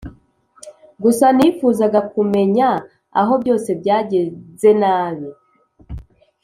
gusa nifuzaga kumenya aho byose byagenze nabi